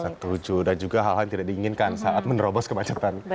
terlucu dan juga hal hal yang tidak diinginkan saat menerobos kemacetan